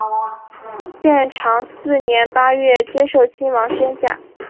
建长四年八月接受亲王宣下。